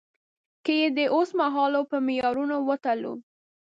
که يې د اوسمهال په معیارونو وتلو.